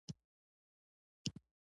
کډې بیا بارېږي.